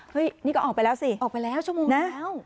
นี่ก็ออกไปแล้วสิออกไปแล้วชั่วโมงแล้ว